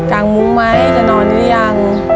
กางมุ้งไหมจะนอนหรือยัง